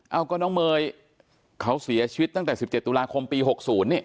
เอาก็น้องเมย์เขาเสียชีวิตเตั้งแต่สิบเจ็ดตุลาคมปีศูนย์เนี่ย